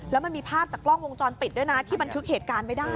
แล้วมันมีภาพจากกล้องวงจรปิดด้วยนะที่บันทึกเหตุการณ์ไม่ได้